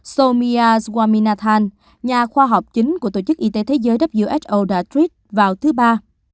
soumya swaminathan nhà khoa học chính của tổ chức y tế thế giới who đã tweet vào thứ ba